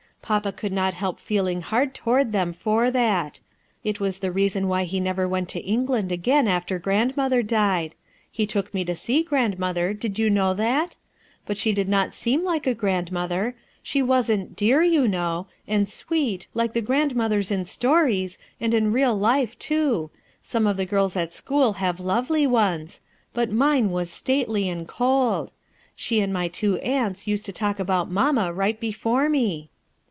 P apa could not help feeling hard toward them for that It was the reason why ho never went to England again after Grandmother died. H c took me to see Grandmother, did you know that? But she did not seem like a grandmother. She wasn't dear, you know, and sweet, like the grandmothers in stories, and in real life too, — some of the girls at school have lovely ones — hut mine was stately and cold She and my two aunts used to talk about mamma right before me.